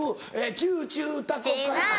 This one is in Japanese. ちゅうちゅうたこかいな違う！